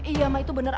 iya mah itu bener